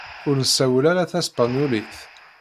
Ur nessawal ara taspenyulit.